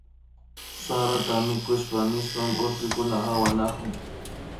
Sarata mikusha nishpa urpikuna pawanakun